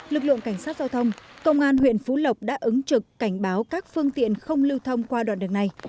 lực lượng cảnh sát giao thông công an huyện phú lộc đã ứng trực cảnh báo các phương tiện không lưu thông qua đoạn đường này